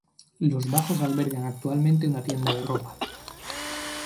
Los bajos albergan actualmente una tienda de ropa.